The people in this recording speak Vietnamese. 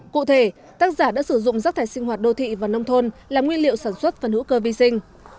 cụ thể tác giả đã sử dụng rác thải sinh hoạt đô thị và nông thôn làm nguyên liệu sản xuất phần hữu cơ vi sinh